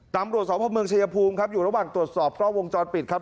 ตำรวจสพเมืองชายภูมิครับอยู่ระหว่างตรวจสอบกล้องวงจรปิดครับ